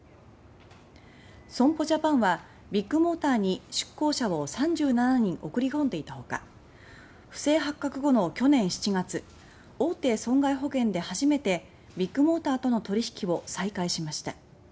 損保ジャパンはビッグモーターに出向者を３７人送り込んでいた他不正発覚後の去年７月大手損害保険で初めてビッグモーターとの取り引きを再開しました。